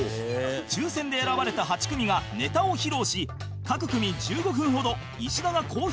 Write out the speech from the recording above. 抽選で選ばれた８組がネタを披露し各組１５分ほど石田が講評を行う